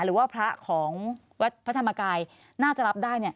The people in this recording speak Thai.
หรือว่าพระของวัดพระธรรมกายน่าจะรับได้